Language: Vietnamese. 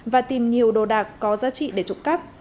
và tìm nhiều đồ đạc có giá trị để trộm cắp